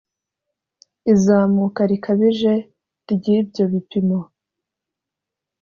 Izamuka rikabije ry ibyo bipimo